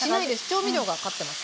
調味料が勝ってます。